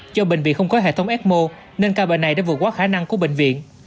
do bệnh viện không có hệ thống ecmo nên ca bệnh này đã vượt qua khả năng của bệnh viện